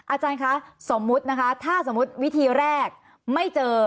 อาจารย์คะสมมุตินะคะถ้าสมมุติวิธีแรกไม่เจอ